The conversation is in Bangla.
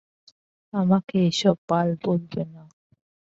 আমাকে এসব বাল বলবে না।